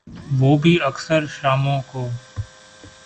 وہ بھی اکثر شاموں کو۔